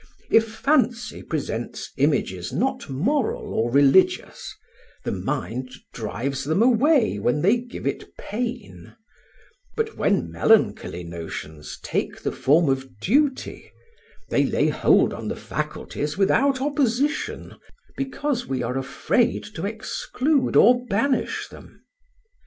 If fancy presents images not moral or religious, the mind drives them away when they give it pain; but when melancholy notions take the form of duty, they lay hold on the faculties without opposition, because we are afraid to exclude or banish them.